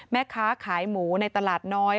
แม่ค้าขายหมูในตลาดน้อย